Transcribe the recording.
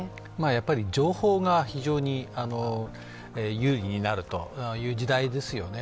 やっぱり情報が非常に有利になるという時代ですよね。